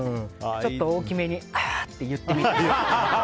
ちょっと大きめにはーって言ってみたり。